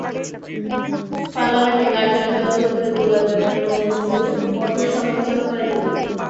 পার্লামেন্টে কার্যাবলী অচল করে তোলার ব্যাপারে কংগ্রেসের কঠোর সমালোচনা করেন তিনি।